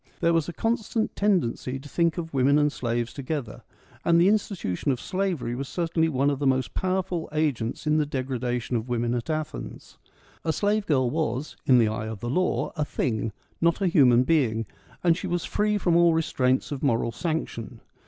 There was a constant tendency to think of women and slaves together ; and the institution of slavery was certainly one of the most powerful agents in the degradation of women at Athens. A slave girl was, in the eye of the law, a thing — not a human being, and she was free from all restraints of moral sanction.